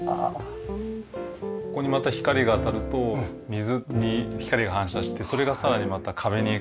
ここにまた光が当たると水に光が反射してそれがさらにまた壁にこう反射してですね。